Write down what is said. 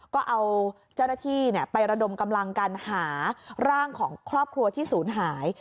ก็เอาเจ้าหน้าที่ไประดมกำลังการหาร่างของครอบครัวที่ศูนย์หาย